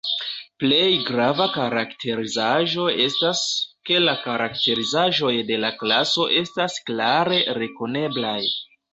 Plej grava karakterizaĵo estas, ke la karakterizaĵoj de la klaso estas klare rekoneblaj.